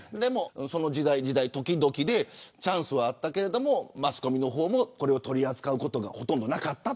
その時代、ときどきでチャンスはあったけどマスコミの方もこれを取り扱うことがほとんどなかった。